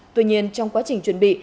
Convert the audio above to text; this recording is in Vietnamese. tuy nhiên trong quá trình chuẩn bị